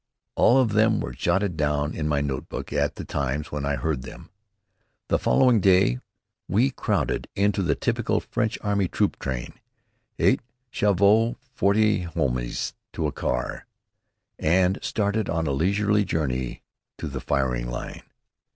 All of them were jotted down in my notebook at the times when I heard them. The following day we crowded into the typical French army troop train, eight chevaux or forty hommes to a car, and started on a leisurely journey to the firing line.